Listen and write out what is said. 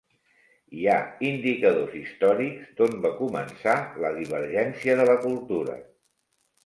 Hi ha indicadors històrics d'on va començar la divergència de la cultura.